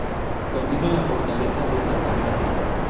Contiene la Fortaleza de San Fernando.